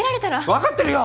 分かってるよ！